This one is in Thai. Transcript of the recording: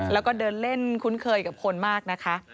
แล้วก็เดินเล่นคุ้นเคยกับคนมากนะคะ